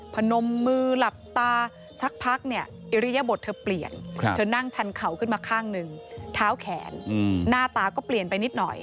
พนมมือหลับตาสักพักเนี่ยอิริยบทเธอเปลี่ยนเธอนั่งชันเข่าขึ้นมาข้างหนึ่งเท้าแขนหน้าตาก็เปลี่ยนไปนิดหน่อย